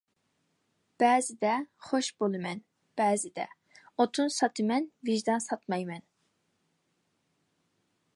بەزىدە خوش بولىمەن بەزىدە. ئوتۇن ساتىمەن، ۋىجدان ساتمايمەن!